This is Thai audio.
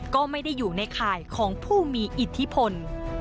ก็ไม่ได้อยู่ในข่ายของผู้มีอิทธิพล